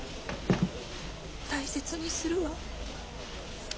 大切にするわ。